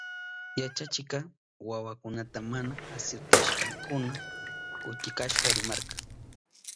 Yachachikka wawakunata mana asirtashpankuna kutikashka rimarka.